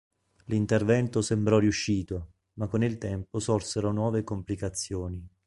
L'intervento sembrò riuscito, ma con il tempo sorsero nuove complicazioni.